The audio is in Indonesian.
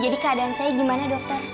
jadi keadaan saya gimana dokter